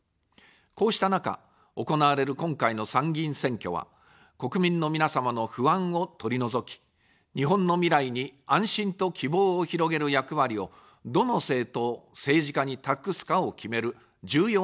こうした中、行われる今回の参議院選挙は、国民の皆様の不安を取り除き、日本の未来に安心と希望を広げる役割を、どの政党、政治家に託すかを決める重要な選挙です。